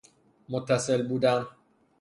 متصل بودن